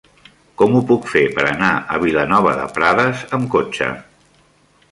Com ho puc fer per anar a Vilanova de Prades amb cotxe?